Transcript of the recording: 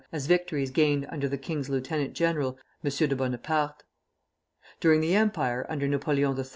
as victories gained under the king's lieutenant general, M. de Bonaparte. During the Empire, under Napoleon III.